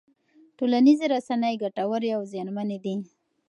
ټولنیزې رسنۍ ګټورې او زیانمنې دي.